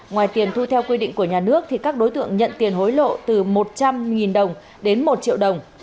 ngoài tiền thu theo quy định của nhà nước thì các đối tượng nhận tiền hối lộ từ một trăm linh đồng đến một triệu đồng